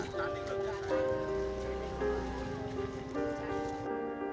dia sudah berusaha untuk menjaga kekuatan